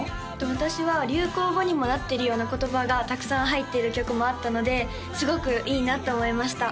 私は流行語にもなってるような言葉がたくさん入ってる曲もあったのですごくいいなと思いました